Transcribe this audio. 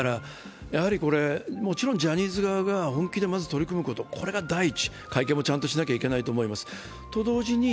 もちろんジャニーズ側が本気で取り組むことが第一、会見もちゃんとしないといけないと思います。